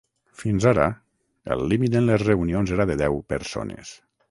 Fins ara, el límit en les reunions era de deu persones.